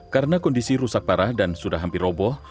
karena kondisi rusak parah dan sudah hampir roboh